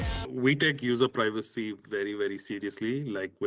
kami sangat transparan dengan pengguna kami